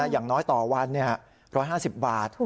อย่างน้อยต่อวัน๑๕๐บาท